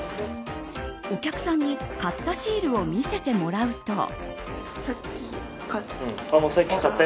お客さんに買ったシールを見せてもらうと。